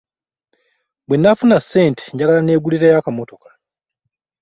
bwe nnaafuna ssente njagala nneegulireyo akamotoka.